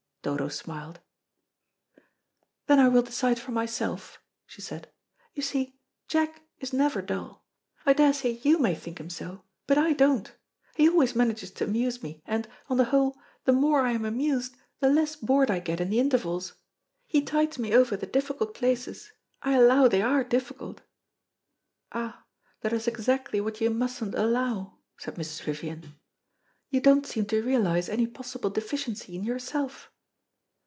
Dodo smiled. "Then I will decide for myself," she said. "You see, Jack is never dull. I daresay you may think him so, but I don't. He always manages to amuse me, and, on the whole, the more I am amused the less bored I get in the intervals. He tides me over the difficult places. I allow they are difficult." "Ah, that is exactly what you mustn't allow," said Mrs. Vivian. "You don't seem to realise any possible deficiency in yourself."